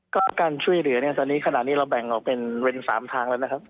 ก็การช่วยเหลือเนี่ยตอนนี้ขณะนี้เราแบ่งออกเป็น๓ทางแล้วนะครับ